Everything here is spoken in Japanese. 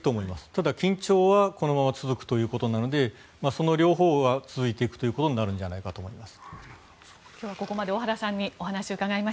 ただ、緊張はこのまま続くということなのでその両方が続いていくということになるんじゃないかと思います。